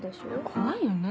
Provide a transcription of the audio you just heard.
怖いよね？